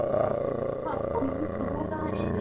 бәйрәм итүне яңадан башлаганнар.